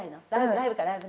ライブかライブ。